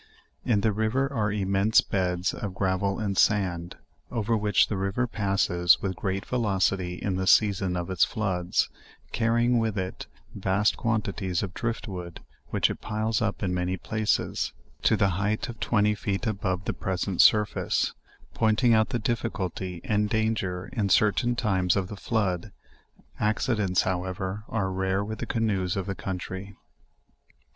In the river are immense beds of grav ^ el and sand, over which the river passes with great velocity in the season of its floods, carrying with it vast quantities of drift wood, which it piles up in many places, to the height of twenty feet above the present surface, pointing out the dif ficulty and dasger in certain times of the flood; accidents, however are rare with the canoes of the country.